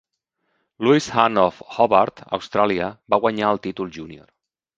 Lewis Hand of Hobart, Austràlia, va guanyar el títol junior.